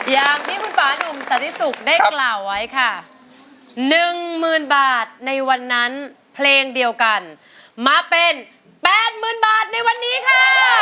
อย่างที่คุณป่านุ่มสันติสุขได้กล่าวไว้ค่ะ๑๐๐๐บาทในวันนั้นเพลงเดียวกันมาเป็น๘๐๐๐บาทในวันนี้ค่ะ